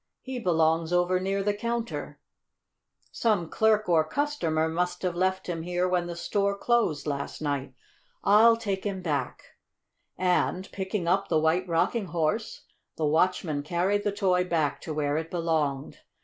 He belongs over near the counter. Some clerk or customer must have left him here when the store closed last night. I'll take him back," and, picking up the White Rocking Horse, the watchman carried the toy back to where it belonged.